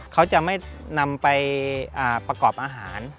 เขาจะไม่นำไปประกอบอาหาร